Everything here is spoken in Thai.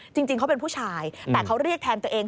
จริงเขาเป็นผู้ชายแต่เขาเรียกแทนตัวเอง